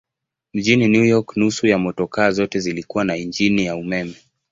Mjini New York nusu ya motokaa zote zilikuwa na injini ya umeme.